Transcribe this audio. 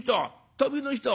旅の人。